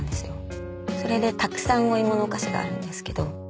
それでたくさんお芋のお菓子があるんでけど。